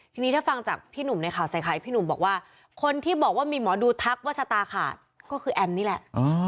ทีนี้ถ้าฟังจากพี่หนุ่มในข่าวใส่ไข่พี่หนุ่มบอกว่าคนที่บอกว่ามีหมอดูทักว่าชะตาขาดก็คือแอมนี่แหละ